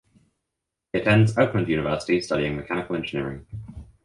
He attends Oakland University studying mechanical engineering.